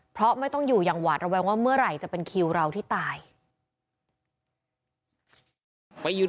เพราะไม่ต้องอยู่อย่างหวาดระแวงว่าเมื่อไหร่จะเป็นคิวเราที่ตาย